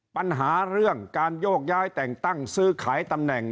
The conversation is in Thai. ปัญหาเรื่องการโยกย้ายแต่งตั้งซื้อขายตำแหน่ง